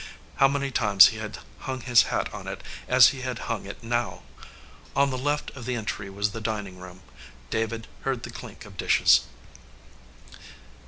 How many times he had hung his hat on it as he hung it now ! On the left of the entry was the dining room. David heard the clink of dishes.